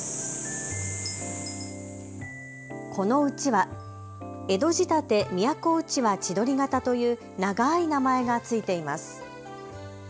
このうちわ、江戸仕立て・都うちわ千鳥型という長い名前が付いています。